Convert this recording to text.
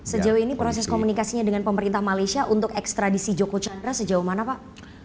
sejauh ini proses komunikasinya dengan pemerintah malaysia untuk ekstradisi joko chandra sejauh mana pak